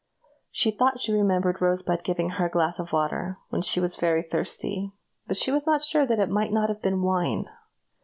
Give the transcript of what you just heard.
She thought she remembered Rosebud giving her a glass of water when she was very thirsty, but she was not sure that it might not have been wine.